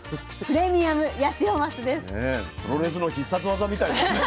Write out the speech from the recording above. プロレスの必殺技みたいですね。